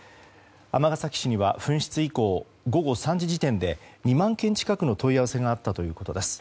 尼崎市には紛失以降午後３時時点で２万件近くの問い合わせがあったということです。